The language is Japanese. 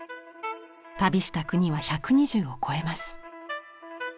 旅した国は１２０を超えます。